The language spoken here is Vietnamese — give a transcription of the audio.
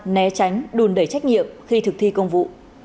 né tránh đùn đẩy trách nhiệm khi thực thi công vụ